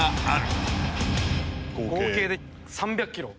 合計で３００ｋｇ。